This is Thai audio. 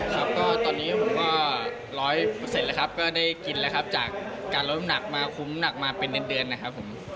ครับก็ตอนนี้ผมก็ร้อยเปอร์เซ็นต์แหละครับก็ได้กินแหละครับจากการล้มหนักมาคุ้มหนักมาเป็นเดือนเดือนนะครับผม